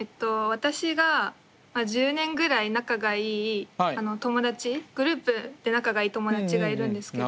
私が１０年ぐらい仲がいい友達グループで仲がいい友達がいるんですけど。